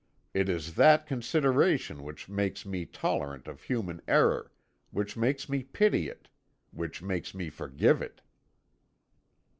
It is that consideration which makes me tolerant of human error, which makes me pity it, which makes me forgive it."